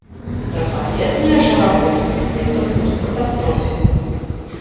Трафаретная же работа — это путь к катастрофе.